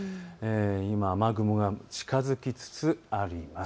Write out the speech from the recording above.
今、雨雲が近づきつつあります。